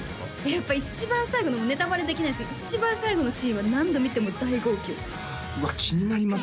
やっぱ一番最後のネタバレできないですけど一番最後のシーンは何度見ても大号泣うわ気になりますね